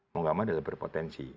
mungkin ada seberpotensi